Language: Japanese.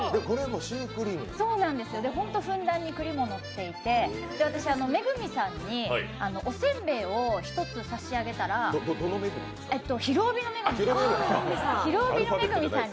本当にふんだんにくりものっていて、私、恵さんにおせんべいを１つ差し上げたらどの恵さん？